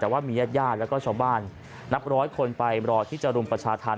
แต่ว่ามีญาติญาติแล้วก็ชาวบ้านนับร้อยคนไปรอที่จะรุมประชาธรรม